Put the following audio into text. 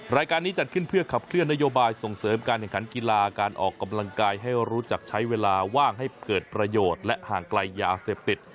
รายการนี้จัดขึ้นเพื่อขับเคลื่อนนโยบายส่งเสริมการแข่งขันกีฬาการออกกำลังกายให้รู้จักใช้เวลาว่างให้เกิดประโยชน์และห่างไกลยาเสพติด